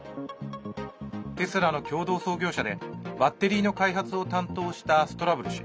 テスラの共同創業者でバッテリーの開発を担当したストラブル氏。